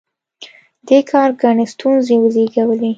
دې کار ګڼې ستونزې وزېږولې.